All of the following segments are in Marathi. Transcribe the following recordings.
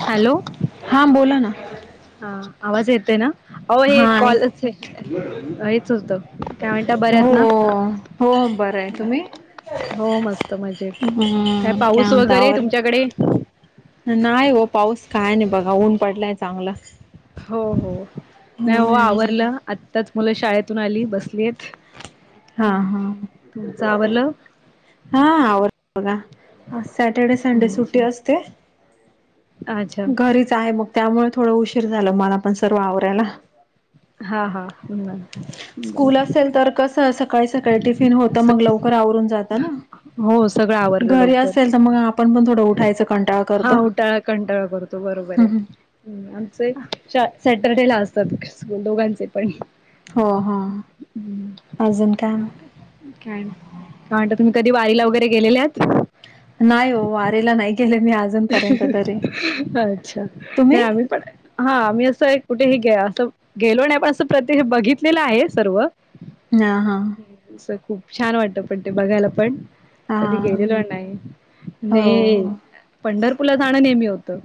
हॅलो हा बोला ना हा आवाज येत आहे ना अ हे हाय कॉलच हेच होतं काय म्हणता हो बऱ्यात ना हो बरं आहे तुम्ही हो मस्त मजेत काय हम्म पाऊस म्हणता वगैरे आवरलं तुमच्याकडे नाही हो पाऊस काय नाही बघ गाऊन पडलंय चांगलं,, हो हो नाही हो हम, आवरलं आत्ताच मुलं शाळेतून आली, बसली आहेत, हा हा तुमचं आवरलं? हा आवरल बघा,, आज सॅटर्डे संडे सुट्टी अच्छा असते. अच्छा घरीच आहे मग त्यामुळे थोडं उशीर झाल,, मला पण सर्व आवरायला. हा, हा, होय स्कूल असेल तर कसं सकाळी सकाळी टिफिन होतं,, स मग लवकर आवरून जात ना. हो सगळं आवरलं घरी लवकर. असेल मग आपण थोडं उठायचं कंटाळा हा, करतो उठायला कंटाळा करतो बरोबर आहे. हम आमचे सॅटरडे ला असतात स्कूल दोघांचे पण. हो, हो, अजून का? काय, काय म्हणता? तुम्ही कधी वारीला वगैरे गेलेलात? नाही हो, वारीला नाही गेलो मी अजून अच्छा, तुम्ही? नाही आम्ही पण. हा, मी असं एक कुठेही असं गेलो नाही पण असं प्रतक्ष बघितलेलं आहे सर्व. ह हा. असं खूप छान वाटत, पण ते बघायला पण. हा कधी गेलेलो नाही,, हो नाही. पंढरपूरला जाणं नेहमी होतं,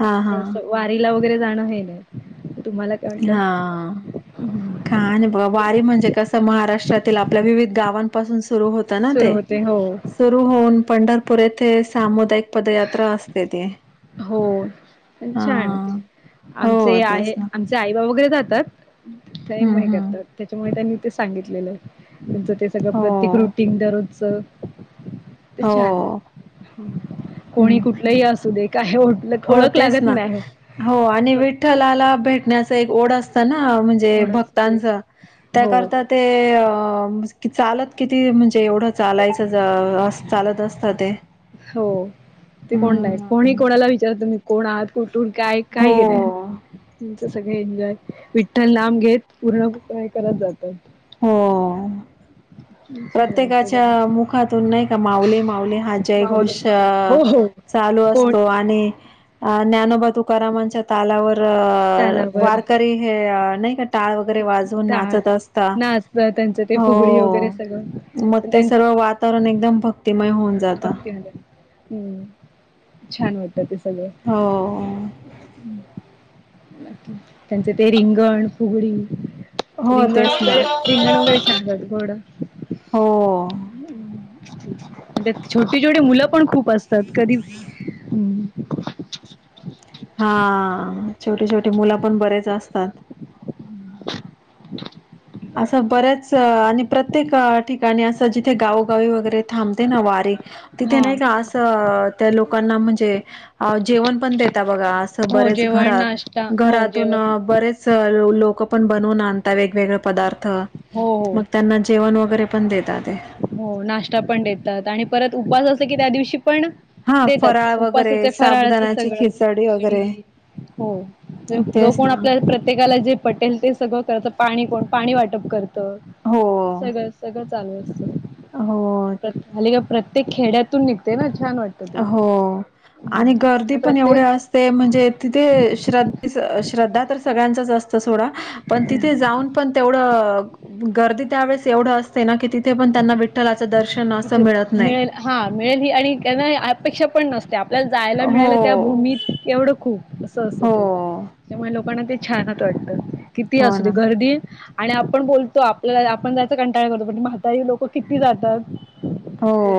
हा हा पण असंऽ वारीला वगैरे जाणं हे नाही,, तुम्हाला काय वाटलं हा. काय नाही बघा,, बाकी वारी म्हणजे कसं महाराष्ट्रातील आपल्या विविध गावां पासून सुरू होत ना सुरू ते. होते हो सुरू होऊन पंढरपूर येथे सामुदायिक पदयात्रा असते ती. हो,, पण हा छान ते, हो आमचे तेच आहे, ना आमचे आई बाबा वगैरे जातात. ते हम्म मा हम्म करतात, त्याच्यामुळे त्यांनी ते सांगितलेलं. तुमचं ते सगळं हो प्रत्येक रुटीन दररोजच. ते हो छान, कोणी हम्म कुठलंही असू दे काय लग, हो ओळख तेच लागत ना. नाही. हो, आणि फक्त विठ्ठलाला भेटण्याच एक ओढ असत ना, म्हणजे. ते भक्तांच, हो त्याकरता ते कि चालत किती म्हणजे एवढं चालायचं अस चालत असतं ते हो, ते कोण नाही, हम्म कोणी कोणाला विचारतो कोण आहात, कुठून काय, हो. काही नाही. तुमच सगळ एन्जॉय, विठ्ठल नाम घेत पूर्ण करत जातं. हो. छान वाटते प्रत्येकाच्या बघा मुखातून नाही का माऊली माऊली हा माऊली जयघोष. हो हो चालू कोण असतो, आणि ज्ञानोबा तुकारामांचा तालावर, तालावर वारकरी हे नाही क टाळ वगैरे वाजवून टाळ नाचत असता, नाचत त्यांचं ते फुगडी वगैरे हो. मग सगळं ते त्यांच सर्व वातावरण एकदम भक्तिमय होऊन जात. भक्तिमय, हम्म, छान वाटतं ते सगळं. हो. त्यांचे ते रिंगण, फुगडी. हो रिंगण तेच ना वगैरे, रिंगण वगैरे छान असत हो ना. हो. छोटी छोटे मुलं पण खूप असत तात कधी. हम हा, छोटी छोटी मुलं पण बरेच असतात. असं बऱ्याच आणि प्रत्येक ठिकाणी असं जिथे गावगावी वगैरे थांबते ना वारीे. तिथे हा नाही का असं त्या लोकांना म्हणजे, जेवण पण देता, बघा असं हो बरेच जेवण घरात नाश्ता हो घरातून जेवण बरेच. लोक पण बनवून आणत वेगवेगळे पदार्थ. हो हो त्यांना जेवण वगैरे पण देतात. हो. नाश्ता पण देतात आणि परत उपवास असला की त्या दिवशी पण. हा देतात, फराळ वगैरे उपासाचे फराळाच साबुदाणाची सगळं. खिचडी वगैरे हो. जो तेच कोण ना. आपल्या प्रत्येकाला जे पटेल ते सगळं करतो, पाणी कोण पाणी वाटप करतं हो सगळं सगळं चालू असतं. हो अली का प्रत्येक खेड्यातून निघतेय ना छान वाटत हो आणि गर्दी पण एवढ्या प्रत्येक ते म्हणजे तिथे श्रधे श्रद्धा तर सगळ्यांचा जास्त सोडा पण तिथे जाऊन पण तेवढं गर्दी त्यावेेळेस एवढं असते ना की तिथे पण त्यांना वि विठ्ठलाचं दर्शन असं तिथे मिळत नाही मिळेल हा मिळेल ही आणि त्यांना अपेक्षा पण नसते आपल्याला जायला मिळायला त्या हो भूमीत एवढं खूप असं असत हो ते त्यामुळे लोकांना ते छानत वाटतं किती हो असू दे ना गर्दी आणि आपण बोलतो आपल्या आपण जायच कंटाळ करतो पण म्हाताई लोक किती जातात. हो े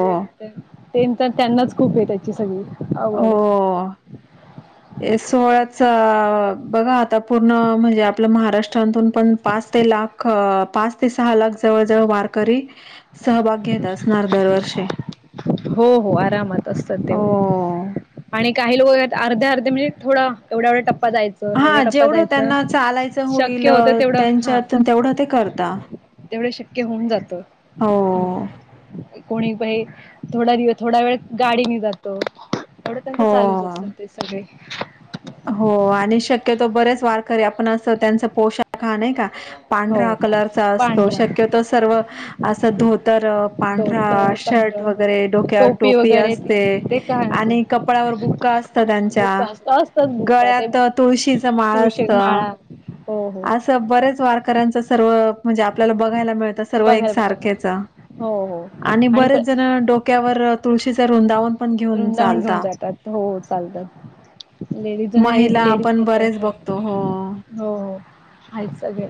ते तर त्यांनाच खूप आहे त्याची सगळी हो हे ए सोळाच बघा आता पूर्ण म्हणजे आपलं महाराष्ट्रांातून पण पाच ते लाख. पाच ते सहा लाख जवळ जवळ वारकरी सहभाग घेत असणार दरवर्षी. हो हो आरामात असतात हो तेवढी आणि काही लोक आहेत अर्ध्या अर्धे म्हणजे थोडं. एवढा एवढा टप्पा दयचं एवढा हा टप्पा जेवढं द्यायचं त्यांना चालायचं होईल शक्य होतं तेवढं हा त्यांच्यात तेवढं ते करता तेवढं शक्य होऊन जातं. हो कोणीही थोडा दिवस थोडा वेळ गाडीने जातो एवढ त्यांंत चालूच हो असतात ते सगळे हो आणि शक्यतो बरेच वारकरी आपण असं त्यांच पोशाख खान का हो पांढरा कलरचा असतो पांढरा शक्यतो सर्व असं धोतर पांढरा धोतर शर्ट पांढरा वगैरे डोक्यावर टोपी वगैरे ते असते ते का असेल आणि कपाळावर भुक्का असत त्यांच्या बुक्का असत बुक्का ते गळ्यात तुळशीचा माळ तुळशी असत माळा हो हो अस बर्याच वारकऱ्यांचा सर्व म्हणजे आपल्याला बघायला मिळत सर्व एक बघायला सारख्याचा पटत हो हो आणि बरेच जण डोक्यावर तुळशीच रुंदावन पण घेऊन वृंदावन घेऊन चालता. जातात हो चालत लेडीज महिला आपण लेडीज. बरेच बघतो हो. हो आहेतच सगळे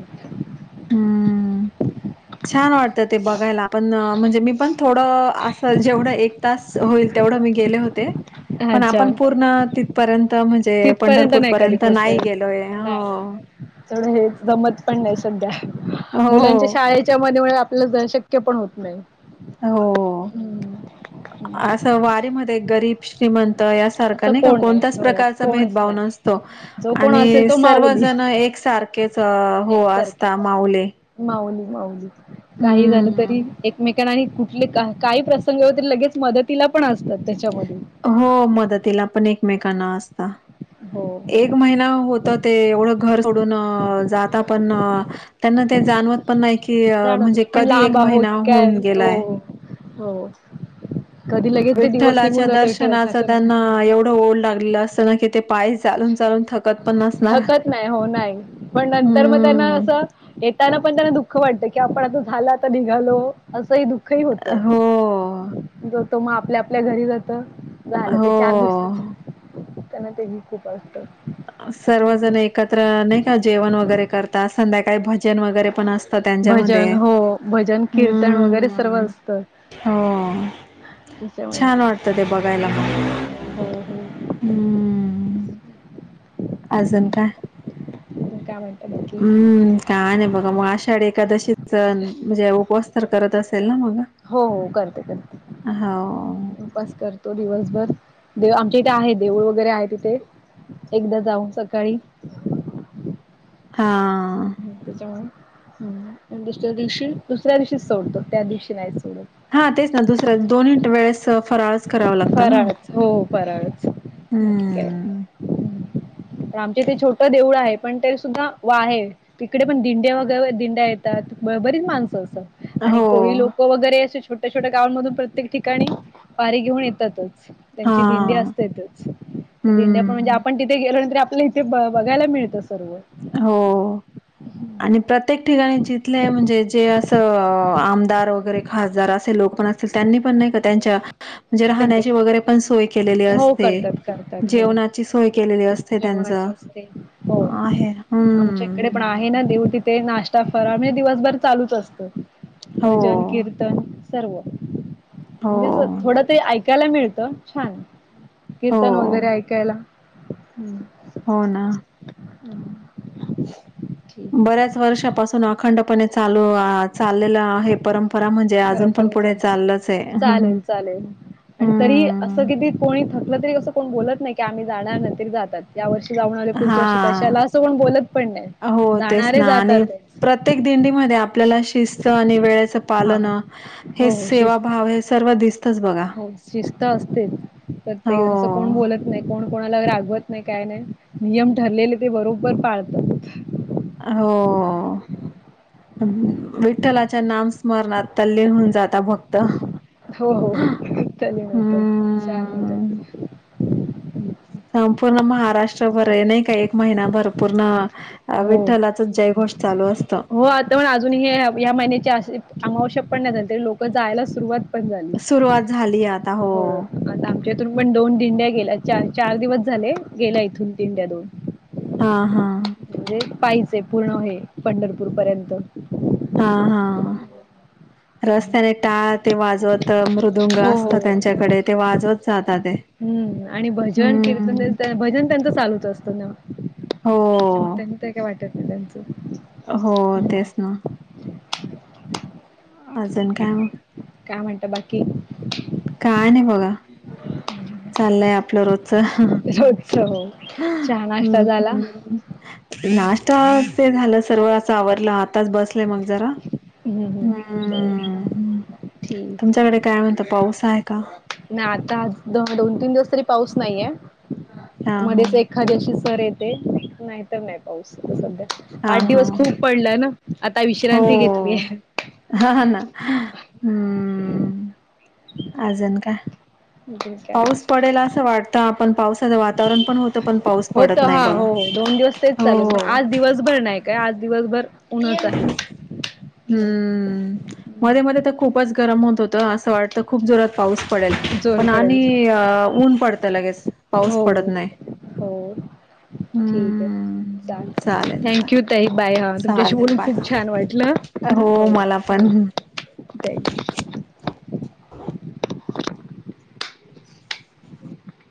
हम्म. [inaudible] छान वाटतं ते बघायला पण म्हणजे मी पण थोडं असं जेवढं एक तास. प अच्छा तिथपर्यंत पंढरपूर नाही पर्यंत नाही गेलोय ते हेच जमत पण नाही सध्या हो, मुलांच्या हो. शाळेच्या मध्ये मु शक्य पण होत नाही हो असं वारी म गरीब श्रीमंत असं कोण णच नाही हो प्रकार कोणच भव नाही नतो जो कोण आणि असेल तो माऊली सर्वण हो असता एकसारखेच माऊले माऊली माऊली काही झालं तरी एकमेकांना आणिु काही प्रसंग हो लगेच मदतीला पण असतात त्याच्यामध्ये हो मदतीला पण एकमेकांना असत हो एक महिना होत ते एवढं घर सोडून जाता पण त्यांना ते जाणवत पण नाही कि जाणवत म्हणजे आपण कधी एक लांब महिना आहोत काय होऊन हो गेलाय हो कधी लगेच ते दिवस विठ्ठलाच्या निघून जात दर्शनाच विठ्ठलाच्या नावाने त्यांना एवढं ओढ लागलेलं असतं ना की ते पाहिजे थकत नाही हो नाही पण नंतर मग त्यांना हम्म असं. येताना पण त्यांना दुःख वाटत की आपण आता झालं आता निघालो असंही दुःख दख होत, हो. जो त मग आपल्या आपल्या घरी जात. झालं ते चार दिवसाच, हो. त्यांना ते घी खूप आवडत सर्वजण एकत्र नाही का जेवण वगैरे करता संध्याकाळी भज जन वगैरे पण असतात भजन त्यांच्यामध्ये, हो भजन कीर्तन वगैरे सर्व हम. हो. निश्च [unintelligible] छान वाटतं ते बघायला मग. हो हो हम्म. अजून काय, काय म्हणता बाकी हम्म काय नाही बघा मग आषाढी एखादशी म्हणजे उपवास तर करत असेल ना मग? हो हो करते करते. हो. उपास करतो दिवसभर आमच्या इथे आहे देऊळ वगैरे आहे इथे एकदा जाऊन सकाळी. हा. त्याच्यामुळे ह दुसऱ्या दिवशी, दुसऱ्या दिवशी सोडतो त्या दिवशी नाही सोडत. हा तेच ना दुसऱ्या दोनट वेळेस फराळ फराळच हो फराळच ठीक आहे. हम्म. तर आमचे ते छोटं देऊळ आहे पण ते सुद्धा वाहे तिकडे पण दिंडया वगैर दिंड्या येतात बरीच माणसं असं आणि हो कोळी लोक वगैरे असे छोट्या छोट्या गावांमधून प्रत्येक ठिकाणी पारी घेऊन येत हा. त्यांची दिंडी असते इथच त्या दिंड्या पण म्हणजे हम्म आप थे गेलो नाही तर आपल्या इथे ब बघायला मिळतं सर्व. हो. आणि प्रत्येक ठिकाणी जिथले म्हणजे जे असं आमदार वगैरे. खासदार असेल लोक पण असेतील त्यांनी पण नाही का त्यांच्या. म्हणजे त्यांच्या राहण्याची वगैरे पण सोय केलेली हो असते करतात करतात हो जेवणाची सोय केलेली असते त्यांच. जेवणाची हो आमच्या इकडे पण आहे ना देव तिथे, नाश्ता फरा म्हणजे दिवसभर चालूच असतं. हो भजन कीर्तन सर्व, हो म्हणजे अस थोड ते ऐकायला मिळतं छान हो कीर्तन वगैरे ऐकायला. हो ना. ठीक बऱ्याच वर्षापासून अखंडपणे चालू चाललेलं आहे. परंपरा म्हणजे अजून पण खरोखरच पुढे आहे चाललंच आहे हम् हम् चालेल चालेल आणि तरी असं हम्म. किती कोणी थकलं तरी असं कोण बोलत नाही आम्ही जाणार नंतरी जातात. या वर्षी जाऊन आले पुढच्या वर्षी हा कशाला असं कोण बोलत पण नाही हो तेच जाणारे ना आणि जातात. प्रत्येक दिंडीमध्ये आपल्याला शिस्त आणि वेळेच हा पालन हे हो हो शिस्त सेवाभव हे सर्व दिसतच बघा. हो प्रत्येकजन कोण बोलत नाही कोण कोणाला रागवत नाही काय नाही नियम ठरलेले ते बरोबर पाळत हो. विठ्ठलाच्या नाम स्मरणात तल्लीन होऊन जाता भक्त. हो हो हो तल्लीन होतात छान. वाटत हम्म हा पूर्ण महाराष्ट्रभर आहे नाही का एक महिना भर पूर्ण. हो. विठ्ठलाचच जयघोष चालू असतं. तर म्हण अजूनही हे या महिन्याचे असे अमावश्य पण नाही झाले तरी लोकं जायला सुरुवात सुरुवात झाली आता हो आत्ता थून पण दोन दिंड्या गेल्या च चार दिवस झाले गेल्या इथून दिंड्या दोन हा हा. म्हणजे पाहिचंय पूर्ण आहे पंढरपूर पर्यंत हा हा रस्त्याने टात ते वाजवत मृदुंग हो असत हो त्यांच्याकडे ते वाजवत जातात. हम्म आणि भजन हम्म कीर्तन भजन त्यांच चालूच असतं ना. हो त्याच्यामुळे त्यांनी तेय काय वाटत नाही त्यांचं. हो हम्म तेच ना. अजून काय. काय म्हणत बाकी. काय नाही बघा चाललंय आपलं रोजच रोजस चहा नाश्ता झाला. हम्म नाश्ता ते झालं सर्वळाच आवरला आताच बसलंय मग जरा. हम्म हम्म बर हम्म ठीक तुमच्याकडे काय म्हणत पाऊस आहे का? नाही आता आज दोन तीन दिवस तरी पाऊस नाहीये हा हा मध्येच एक एखाद्याशी सर येते नाहीतर नाही पाऊस सध्या हा आठ हा दिवस खूप पडलाय ना. आता हो विश्रांती घेतलीय. हा ह ना हम्म. अजन का काय पाऊस पडेल असं वाटतं आपण पावसाचं वातावरण पण होत पण पाऊस. होत पडत नाही हा हो बघा दोन दिवस तेच चालवत पण हो आज दिवसभर नाही काय आज दिवसभर उनच आहे. हो. हम्म मध्ये मध्ये तर खूपच गरम होत होत असं वाटत खूप जोरात पाऊस पडेल जोर पण पडेल आणि ऊन पडतं लगेच. हो पाऊस पडत हो नाही. हो. ठीक आहे हम्म. चालेल चालेल. थँक यू ताई बाय हा तुमच्याशी चालेल बोलून बाय. खूप छान वाटलं. हो मला पण. थँक्यू. [unintelligible]